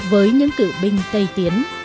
với những cựu binh tây tiến